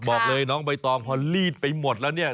บอกเลยน้องใบตองพอลีดไปหมดแล้วเนี่ย